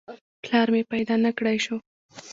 پلار مې پیدا نه کړای شو.